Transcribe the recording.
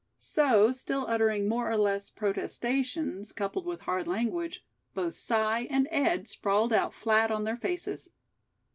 So, still uttering more or less protestations, coupled with hard language, both Si and Ed sprawled out flat on their faces.